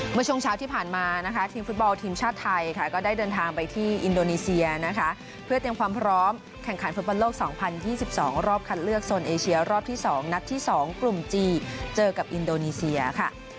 เมื่อช่วงเช้าที่ผ่านมานะคะทีมฟุตบอลทีมชาติไทยค่ะก็ได้เดินทางไปที่อินโดนีเซียนะคะเพื่อเตรียมความพร้อมแข่งขันฟุตบอลโลก๒๐๒๒รอบคัดเลือกโซนเอเชียรอบที่๒นัดที่๒กลุ่มจีนเจอกับอินโดนีเซียค่ะ